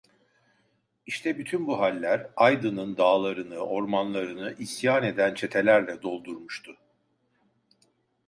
İşte bütün bu haller, Aydının dağlarını, ormanlarını isyan eden çetelerle doldurmuştu.